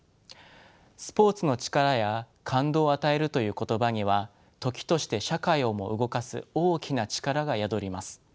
「スポーツの力」や「感動を与える」という言葉には時として社会をも動かす大きな力が宿ります。